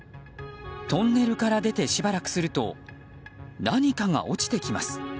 トンネルから出てしばらくすると何かが落ちてきます。